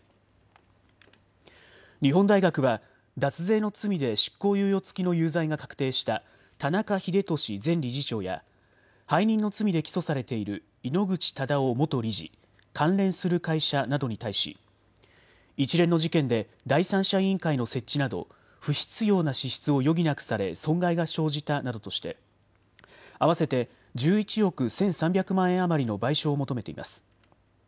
日本大学は脱税の罪で執行猶予付きの有罪が確定した田中英壽前理事長や背任の罪で起訴されている井ノ口忠男元理事、関連する会社などに対し一連の事件で第三者委員会の設置など不必要な支出を余儀なくされ損害が生じたなどとして合わせて１１億１３００万円余りの賠償を求めています。